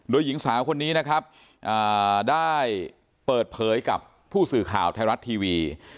โดยหญิงสาวคนนี้นะครับได้เปิดเผยกับผู้สื่อข่าวไทยรัฐทีวี